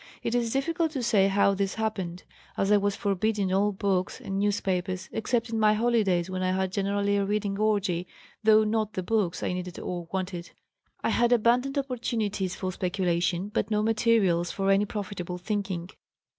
It is difficult to say how this happened, as I was forbidden all books and newspapers (except in my holidays when I had generally a reading orgy, though not the books I needed or wanted). I had abundant opportunities for speculation, but no materials for any profitable thinking.